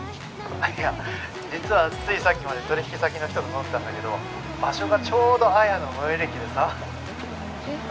いや実はついさっきまで取引先の人と飲んでたんだけど場所がちょうど彩の最寄り駅でさ。えっ？